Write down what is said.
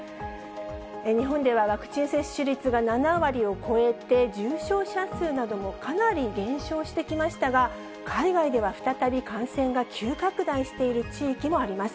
日本では、ワクチン接種率が７割を超えて、重症者数などもかなり減少してきましたが、海外では再び感染が急拡大している地域もあります。